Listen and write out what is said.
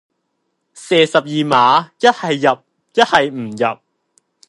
射十二碼，一係入，一係唔入